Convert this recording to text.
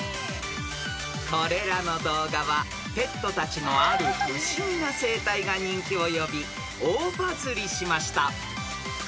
［これらの動画はペットたちのある不思議な生態が人気を呼び大バズりしました］